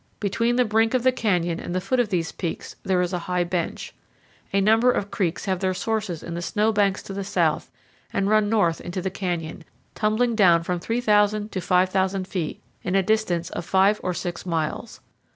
Between the brink of the canyon and the foot of these peaks, there is a high bench. A number of creeks have their sources in the snowbanks to the south and run north into the canyon, tumbling down from 3,000 to 5,000 feet in a distance of five or six miles.